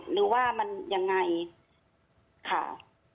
หรือว่ามันยังไงค่ะ